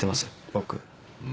僕。